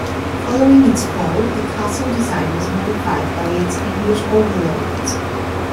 Following its fall, the castle design was modified by its new English overlords.